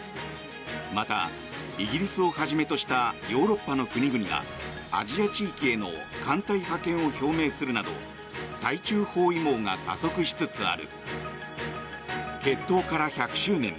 また、イギリスをはじめとしたヨーロッパの国々がアジア地域への艦隊派遣を表明するなど対中包囲網が加速しつつある。